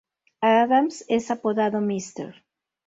Adams es apodado ""Mr.